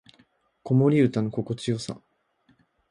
子守唄の心地よさ